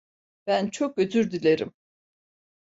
Ben çok özür dilerim.